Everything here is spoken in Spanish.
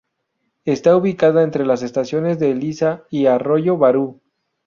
Está ubicada entre las estaciones de Elisa y Arroyo Barú.